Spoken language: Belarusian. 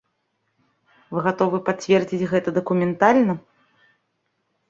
Вы гатовы пацвердзіць гэта дакументальна?